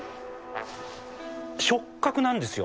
触角なんですよ。